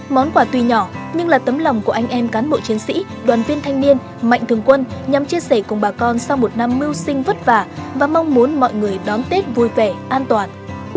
món quà tuy nhỏ nhưng là tấm lòng của anh em cán bộ chiến sĩ đoàn viên thanh niên mạnh thường quân nhằm chia sẻ cùng bà con sau một năm mưu sinh vất vả và mong muốn mọi người đón tết vui vẻ an toàn